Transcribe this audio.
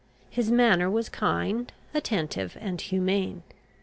His manner was kind, attentive, and humane.